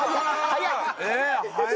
早い！